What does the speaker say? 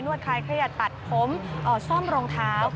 นวดคล้ายเครียดตัดผมส่ว่นลงท้า